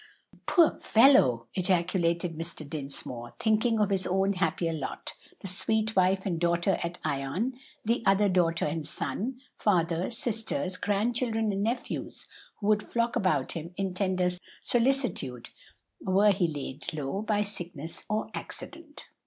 "Poor fellow!" ejaculated Mr. Dinsmore, thinking of his own happier lot the sweet wife and daughter at Ion, the other daughter and son, father, sisters, grandchildren and nephews who would flock about him in tender solicitude, were he laid low by sickness or accident.